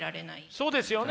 そうですよね。